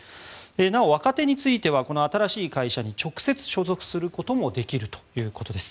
なお若手についてはこの新しい会社に直接所属することもできるということです。